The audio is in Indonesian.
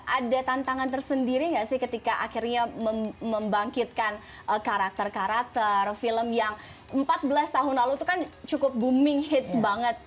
ada tantangan tersendiri nggak sih ketika akhirnya membangkitkan karakter karakter film yang empat belas tahun lalu itu kan cukup booming hits banget